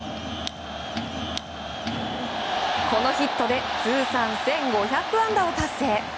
巨人、中田翔選手はこのヒットで通算１５００安打を達成。